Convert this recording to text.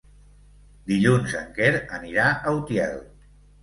Dilluns en Quer anirà a Utiel.